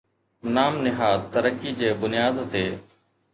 نام نهاد ترقي جي بنياد تي